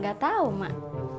gak tau mak